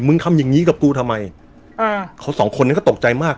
มึงทำยังงี้กับกูทำไมเขาสองคนนี้ก็ตกใจมาก